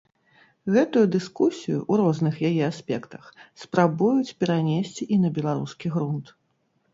Гэтую дыскусію, у розных яе аспектах, спрабуюць перанесці і на беларускі грунт.